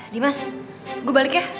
dimas gue balik ya